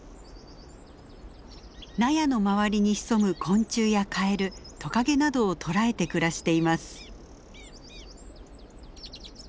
納屋の周りに潜む昆虫やカエルトカゲなどを捕らえて暮らしています。